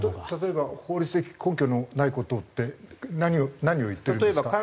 例えば法律的根拠のない事って何を言ってるんですか？